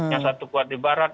yang satu kuat di barat